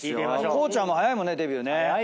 光ちゃんも早いもんねデビューね。